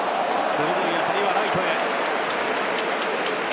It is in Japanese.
鋭い当たりはライトへ。